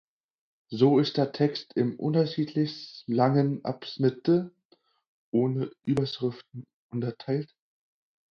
So ist der Text in unterschiedlich lange Abschnitte ohne Überschriften unterteilt.